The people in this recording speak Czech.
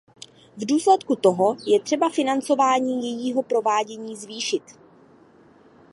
V důsledku toho je třeba financování jejího provádění zvýšit.